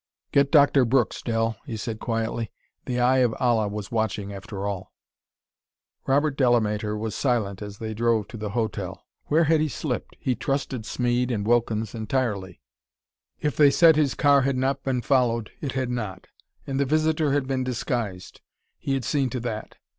"Get Doctor Brooks, Del," he said quietly; "the Eye of Allah was watching after all." Robert Delamater was silent as they drove to the hotel. Where had he slipped? He trusted Smeed and Wilkins entirely; if they said his car had not been followed it had not. And the visitor had been disguised; he had seen to that.